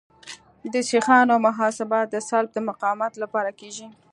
د سیخانو محاسبه د سلب د مقاومت لپاره کیږي